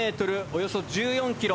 およそ１４ｋｍ。